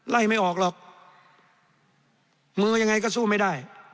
ไม่ออกหรอกมือยังไงก็สู้ไม่ได้